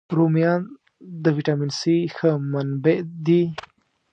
رومیان د ویټامین C ښه منبع دي